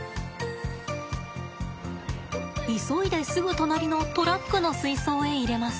急いですぐ隣のトラックの水槽へ入れます。